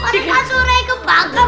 malah pas uraik kebakaran